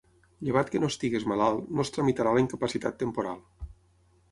Llevat que no estiguis malalt, no es tramitarà la incapacitat temporal.